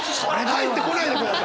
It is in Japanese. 入ってこないでください！